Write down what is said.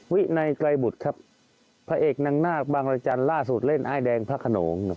วินัยไกรบุตรครับพระเอกนางนาคบางรจันทร์ล่าสุดเล่นอ้ายแดงพระขนง